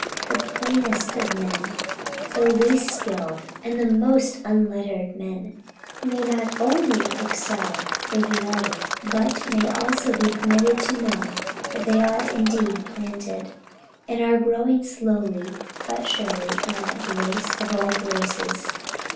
The plainest of men, the least skilled and the most unlettered of men, may not only excel in humility, but may also be permitted to know that they are indeed planted, and are growing slowly but surely in that grace of all graces.